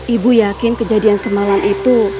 ibu yakin kejadian semalam itu